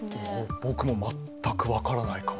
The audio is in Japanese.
僕も全く分からないかも。